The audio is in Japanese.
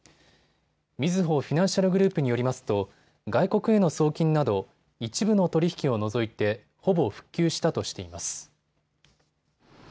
みずほフィナンシャルグループによりますと外国への送金など一部の取り引きを除いてほぼ復旧したとしています。